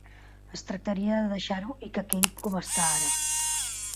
Es tractaria de deixar-ho i que quedi com està ara.